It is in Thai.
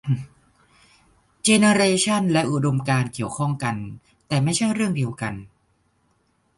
เจเนเรชันและอุดมการณ์เกี่ยวข้องกันแต่ไม่ใช่เรื่องเดียวกัน